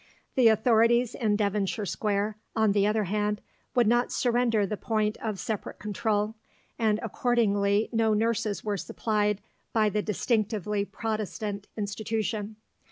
The authorities in Devonshire Square, on the other hand, would not surrender the point of separate control, and accordingly no nurses were supplied by the distinctively Protestant institution.